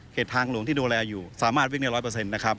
เหตุทางหลวงที่ดูแลอยู่สามารถวิ่งในร้อยเปอร์เซ็นต์นะครับ